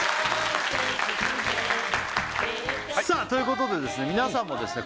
さあということで皆さんもですね